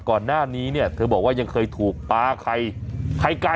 ก่อนหน้านี้เนี่ยเธอบอกว่ายังเคยถูกปลาไข่ไข่ไก่